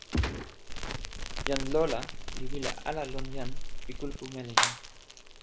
jan Lola li wile ala lon jan pi kulupu meli ni.